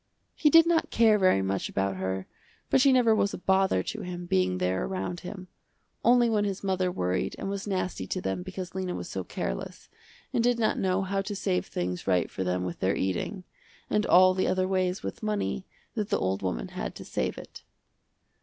He did not care very much about her but she never was a bother to him being there around him, only when his mother worried and was nasty to them because Lena was so careless, and did not know how to save things right for them with their eating, and all the other ways with money, that the old woman had to save it.